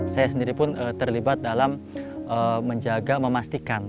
saya sendiri pun terlibat dalam menjaga memastikan